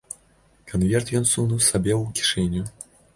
Канверт ён сунуў сабе ў кішэню.